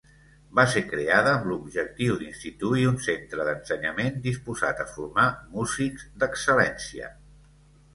Va ser creada amb l'objectiu d'instituir un centre d'ensenyament disposat a formar músics d'excel·lència.